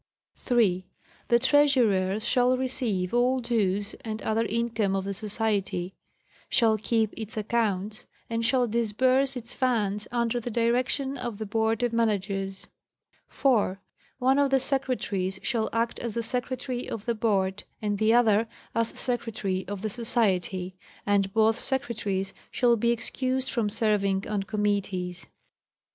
» srt 3.—The Treasurer shall receive all dues and other income of the Society ; shall keep its accounts ; and shall disburse its funds under the direction of the Board of Managers. 4,—One of the Secretaries shall act as the Secretary of the Board and the other as Secretary of the Society ; and both Secretaries shall be excused from serving on committees. 5.